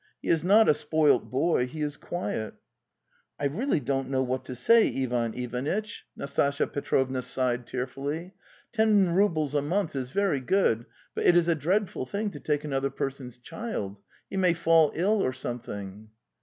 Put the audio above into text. He is not a spoilt boy; he is quiet. ..."' T really don't know what to say, Ivan Ivanitch! " 300 The Tales of Chekhov Nastasya Petrovna sighed tearfully. '' Ten roubles a month is very good, but it is a dreadful thing to take another person's child! He may fall ill or Something.)